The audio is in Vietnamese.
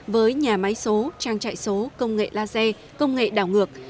với nhà máy số trang trại số công nghệ laser công nghệ đảo ngược